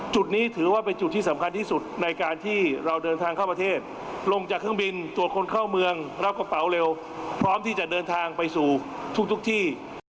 จุดนี้ถือว่าเป็นจุดที่สำคัญที่สุดในการที่เราเดินทางเข้าประเทศลงจากเครื่องบินตรวจคนเข้าเมืองรับกระเป๋าเร็วพร้อมที่จะเดินทางไปสู่ทุกที่